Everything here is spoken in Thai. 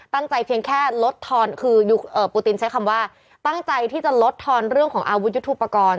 เพียงแค่ลดทอนคือปูตินใช้คำว่าตั้งใจที่จะลดทอนเรื่องของอาวุธยุทธุปกรณ์